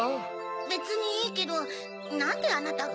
べつにいいけどなんであなたが？